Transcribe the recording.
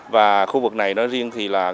và khu vực này nó riêng thì là